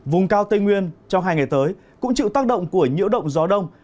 vùng cao tây nguyên trong hai ngày tới cũng chịu tác động của nhiễu động gió đông